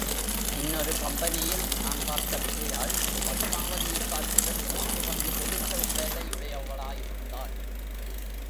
இன்னொரு கம்பெனியில் நான் பார்த்த விஜயாள் பத்மாவதியைப் பார்க்கிலும் மூன்று பங்கு பெருத்த உடலையுடையவளாயிருந்தாள்!